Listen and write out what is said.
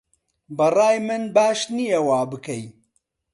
بەڕای من باش نییە وابکەی